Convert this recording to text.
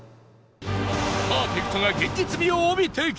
パーフェクトが現実味を帯びてきた